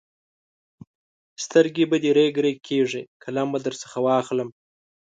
سترګې به دې رېګ رېګ کېږي؛ قلم به درڅخه واخلم.